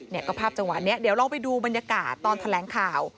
เนี่ยก็ภาพจังหวะนี้เดี๋ยวลองไปดูบรรยากาศตอนแถลงข่าว